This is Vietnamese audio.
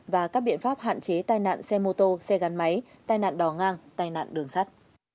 và các biện pháp hạn chế tai nạn xe mô tô xe gắn máy tai nạn đò ngang tai nạn đường sắt